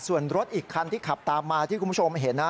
ส่วนรถอีกคันที่ขับตามมาที่คุณผู้ชมเห็นนะ